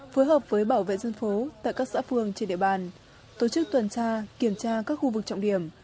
phối hợp với bảo vệ dân phố tại các xã phương trên địa bàn tổ chức tuần tra kiểm tra các khu vực trọng điểm